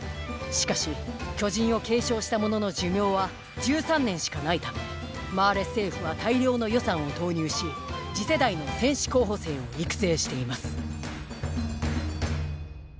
しかし巨人を継承した者の寿命は１３年しかないためマーレ政府は大量の予算を投入し次世代の戦士候補生を育成しています